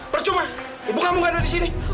percuma ibu kamu gak ada disini